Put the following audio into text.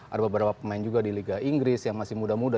ada beberapa pemain juga di liga inggris yang masih muda muda